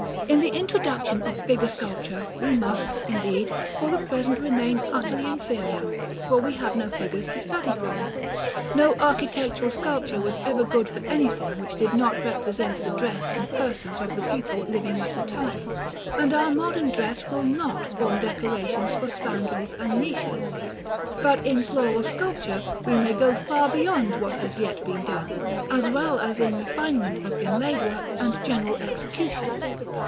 In the introduction of figure sculpture, we must, indeed, for the present, remain utterly inferior, for we have no figures to study from. No architectural sculpture was ever good for anything which did not represent the dress and persons of the people living at the time; and our modern dress will not form decorations for spandrils and niches. But in floral sculpture we may go far beyond what has yet been done, as well as in refinement of inlaid work and general execution.